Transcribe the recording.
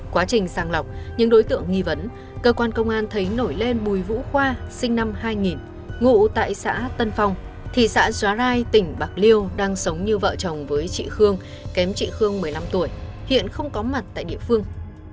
quá trình sàng lọc những đối tượng nghi vấn cơ quan công an thấy nổi lên bùi vũ khoa sinh năm hai nghìn ngụ tại xã tân phong thị xã rai tỉnh bạc liêu đang sống như vợ chồng với chị khương kém chị khương một mươi năm tuổi hiện không có mặt tại địa phương